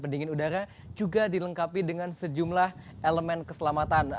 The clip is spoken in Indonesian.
pendingin udara juga dilengkapi dengan sejumlah elemen keselamatan